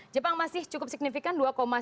jepang masih cukup signifikan